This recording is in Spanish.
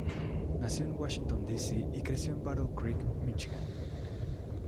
Nació en Washington D. C. y creció en Battle Creek, Míchigan.